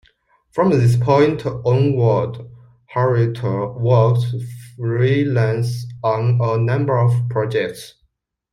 From this point onwards, Harriott worked freelance on a number of projects.